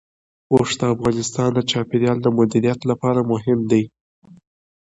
اوښ د افغانستان د چاپیریال د مدیریت لپاره مهم دي.